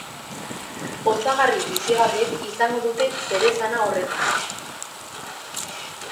Osagarri bizigarriek izango dute zeresana horretan.